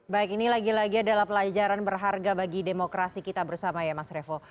baik ini lagi lagi adalah pelajaran berharga bagi demokrasi kita bersama ya mas revo